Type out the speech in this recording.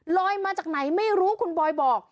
มาจากไหนไม่รู้คุณบอยบอก